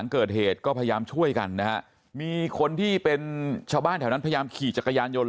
เกิดเหตุก็พยายามช่วยกันนะฮะมีคนที่เป็นชาวบ้านแถวนั้นพยายามขี่จักรยานยนต์